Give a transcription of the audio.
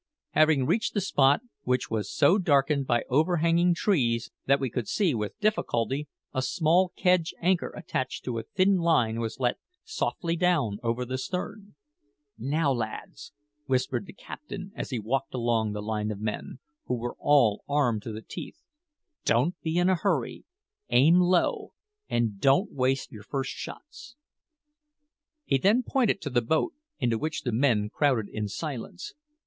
Having reached the spot, which was so darkened by overhanging trees that we could see with difficulty, a small kedge anchor attached to a thin line was let softly down over the stern. "Now, lads," whispered the captain as he walked along the line of men, who were all armed to the teeth, "don't be in a hurry, aim low, and don't waste your first shots." He then pointed to the boat, into which the men crowded in silence.